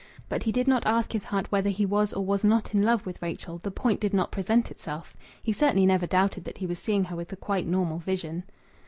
But he did not ask his heart whether he was or was not in love with Rachel. The point did not present itself. He certainly never doubted that he was seeing her with a quite normal vision.